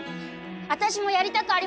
私もやりたくありません！